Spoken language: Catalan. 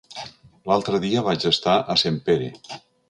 L'altre dia vaig estar a Sempere.